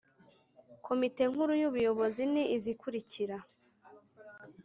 Komite Nkuru y Ubuyobozi ni izikurikira